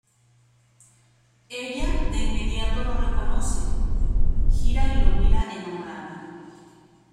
Ella de inmediato lo reconoce, gira y lo mira enamorada.